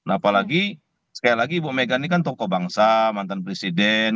apalagi sekali lagi ibu mega ini kan tokoh bangsa mantan presiden